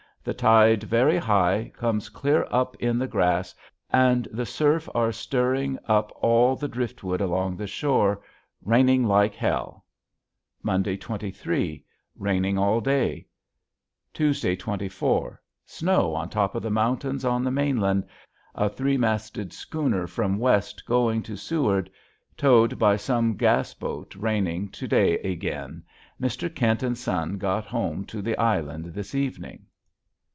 the tied vary Hie Comes clear up in the gras and the surf ar Stiring up all the Driftwood along the shore. raining lik Hell. M. 23. raining all Day. T. 24. Snow on top of the mountins on the maenland a tre mastid skuner from West going to Seward. toed by som gassboth raining to Day egan. Mr. Kint and son got ome to the island this Evening.